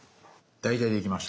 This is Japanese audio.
大体できました。